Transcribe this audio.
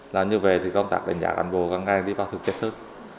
làm như vậy thì công tác đánh giá cán bộ ngang ngang đi vào thực trạng thức